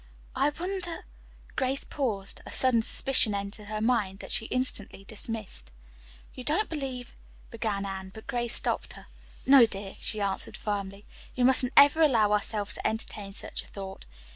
"I wonder " Grace paused. A sudden suspicion entered her mind, that she instantly dismissed. "You don't believe " began Anne, but Grace stopped her. "No, dear," she answered firmly. "We mustn't ever allow ourselves to entertain such a thought.